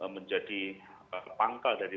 menjadi pangkal dari